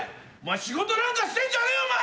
仕事なんかしてんじゃねえよお前。